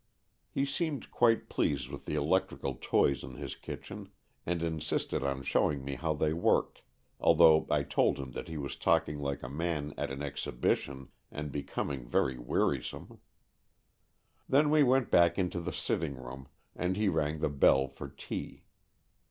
He seemed quite pleased with the elec trical toys in his kitchen, and insisted on showing me how they worked, although I told him that he was talking like a man at an exhibition and becoming very wearisome. Then we went back into the sitting room, and he rang the bell for tea.